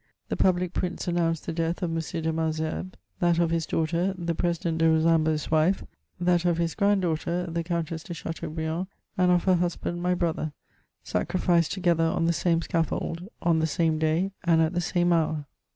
The public prints announced the death of M. de Malesherbes ; that of his daughter, the President de Rosambo*s wife ; that of his grand daughter, the Countess de Chateaubriand, and of her husband, my brother, sacrificed together on the same scaffold, on the same day, and at the same hour.